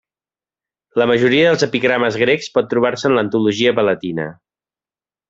La majoria dels epigrames grecs pot trobar-se en l'Antologia palatina.